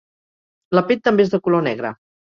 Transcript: La pell també és de color negre.